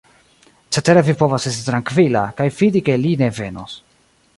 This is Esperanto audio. Cetere vi povas esti trankvila, kaj fidi ke li ne venos.